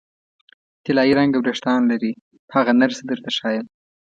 طلايي رنګه وریښتان لري، هغه نرسه درته ښیم.